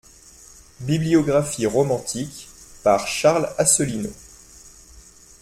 BIBLIOGRAPHIE ROMANTIQUE, par Charles Asselineau.